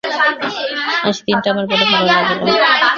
আজ দিনটা আমার বড়ো ভালো লাগিল।